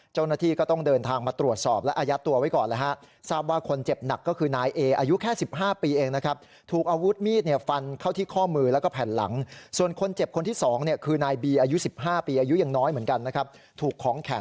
เจ้าหน้าที่ก็ต้องเดินทางมาตรวจสอบและอายัดตัวไว้ก่อนแล้วฮะ